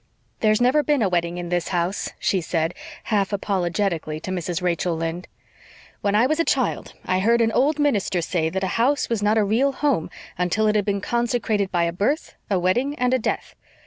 "There's never been a wedding in this house," she said, half apologetically, to Mrs. Rachel Lynde. "When I was a child I heard an old minister say that a house was not a real home until it had been consecrated by a birth, a wedding and a death.